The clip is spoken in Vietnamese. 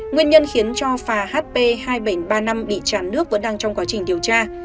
nguyên nhân khiến cho phà hp hai nghìn bảy trăm ba mươi năm bị tràn nước vẫn đang trong quá trình điều tra